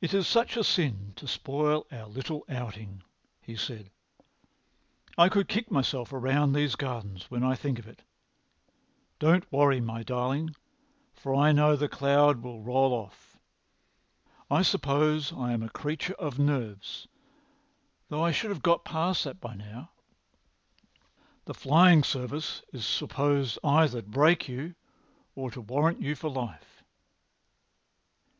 "It is such a sin to spoil our little outing," he said. "I could kick myself round these gardens when I think of it. Don't worry, my darling, for I know the cloud will roll off. I suppose I am a creature of nerves, though I should have got past that by now. The Fly[Pg 240]ing Service is supposed either to break you or to warrant you for life."